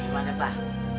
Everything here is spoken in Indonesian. masa udah gimana bang